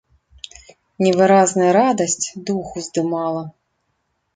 Невыразная радасць дух уздымала.